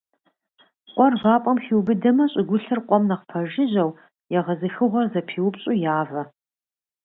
Къуэр вапӀэм хиубыдэмэ, щӀыгулъыр къуэм нэхъ пэжыжьэу, егъэзыхыгъуэр зэпиупщӀу явэ.